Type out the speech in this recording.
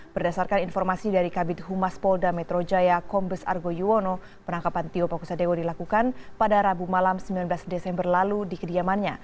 berdasarkan informasi dari kabinet humas pol dan metro jaya kombes argo yuwono penangkapan tio pakusa dewo dilakukan pada rabu malam sembilan belas desember lalu di kediaman